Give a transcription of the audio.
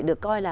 được coi là